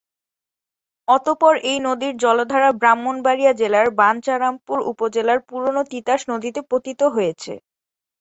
অতপর এই নদীর জলধারা ব্রাহ্মণবাড়িয়া জেলার বাঞ্ছারামপুর উপজেলার পুরনো তিতাস নদীতে পতিত হয়েছে।